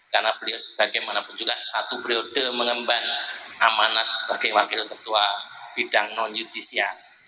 karena beliau sebagaimanapun juga satu periode mengemban amanat sebagai wakil ketua bidang non yudisial